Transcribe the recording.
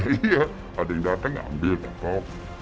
iya ada yang datang ambil tetap